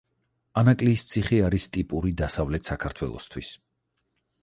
ანაკლიის ციხე არის ტიპური დასავლეთ საქართველოსთვის.